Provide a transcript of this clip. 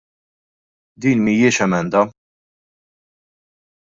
Din mhijiex emenda.